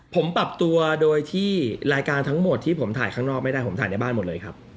ผมปรับตัวโดยที่รายการทั้งหมดที่ผมถ่ายข้างนอกไม่ได้ผมถ่ายในบ้านหมดเลยครับ